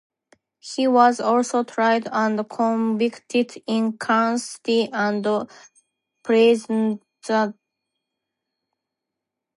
He was also tried and convicted in Karnes City and Pleasanton.